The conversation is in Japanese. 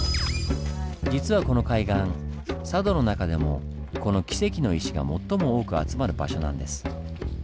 実はこの海岸佐渡の中でもこのキセキの石が最も多く集まる場所なんです。